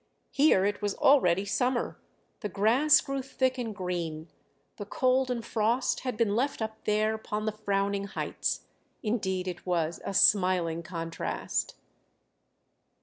Here it was already summer, the grass grew thick and green; the cold and frost had been left up there upon the frowning heights; indeed it was a smiling contrast.